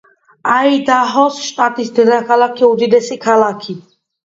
აიდაჰოს შტატის დედაქალაქი და უდიდესი ქალაქი.